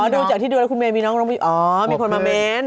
อ๋อดูจากที่ดูแล้วคุณเมมีน้องอ๋อมีคนมาเม้นต์